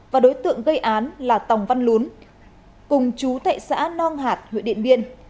và đối tượng gây án là tòng văn lún cùng chú tại xã long hẹt huyện điện biên